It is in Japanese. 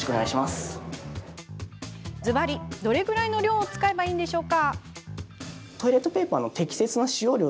ずばり、どれぐらいの量を使えばいいんですか？